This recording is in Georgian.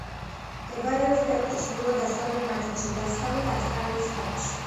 მდებარეობს ქვეყნის ჩრდილო-დასავლეთ ნაწილში, დასავლეთ ავსტრალიის შტატში.